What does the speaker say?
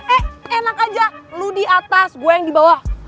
eh enak aja lu di atas gua yang di bawah